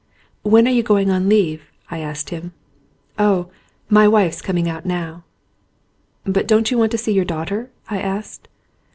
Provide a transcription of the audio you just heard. "When are you going on leave ?" I asked him. "Oh, my wife's coming out now." "But don't you want to see your daughter?" I asked.